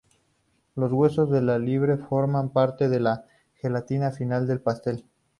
Los huesos de la liebre forman parte de la gelatina final del pastel.